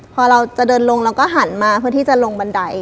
พอเราจะเดินลงเราก็หันมาเพื่อที่จะลงบันได